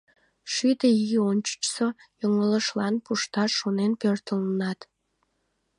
Шӱдӧ ий ончычсо йоҥылышлан пушташ шонен пӧртылынат?